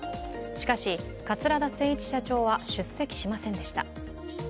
しかし、桂田精一社長は出席しませんでした。